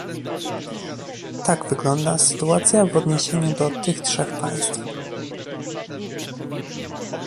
Tak wygląda sytuacja w odniesieniu do tych trzech państw